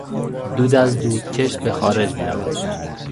دود از دودکش به خارج میرود.